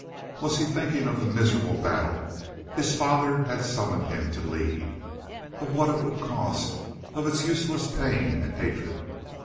Was he thinking of the miserable battle his father had summoned him to lead of what it would cost of its useless pain and hatred?